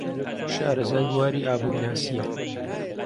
شارەزای بواری ئابوورناسییە.